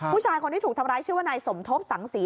ผู้ชายคนที่ถูกทำร้ายชื่อว่านายสมทบสังศรี